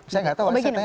saya gak tahu